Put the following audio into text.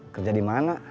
kerja di mana